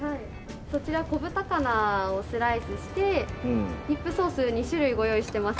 そちらはこぶ高菜をスライスしてディップソース２種類ご用意してますので。